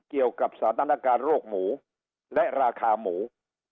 เกี่ยวกับสถานการณ์โรคหมูและราคาหมู